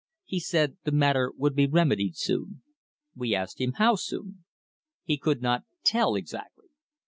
He said the matter would be remedied soon. We asked ^ He could not tell exactly.